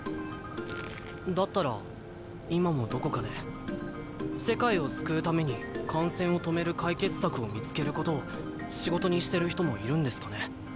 だったら今もどこかで世界を救うために感染を止める解決策を見つけることを仕事にしてる人もいるんですかね。